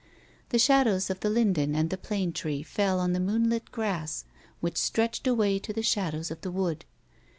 The shadows of the linden and the plane tree fell on the moon lit grass which stretched away to the shadows of the wood.